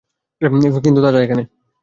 কিন্তু তাজা এখনো।